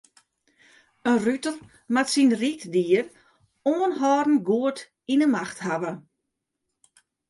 In ruter moat syn ryddier oanhâldend goed yn 'e macht hawwe.